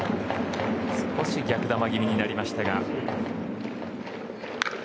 少し逆球気味になりました。